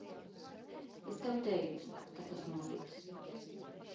Es tev teicu, ka tas notiks.